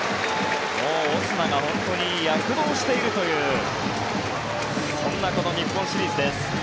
オスナが本当に躍動しているというそんなこの日本シリーズです。